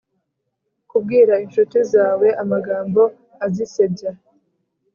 kubwira incuti zawe amagambo azisebya